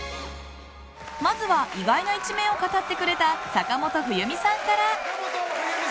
まずは、意外な一面を語ってくれた坂本冬美さんから。